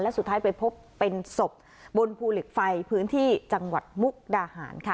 สุดท้ายไปพบเป็นศพบนภูเหล็กไฟพื้นที่จังหวัดมุกดาหารค่ะ